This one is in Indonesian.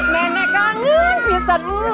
nenek kangen pisah